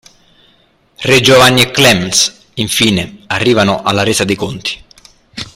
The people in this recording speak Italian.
Re Giovanni e Clemens, infine, arrivano alla resa dei conti.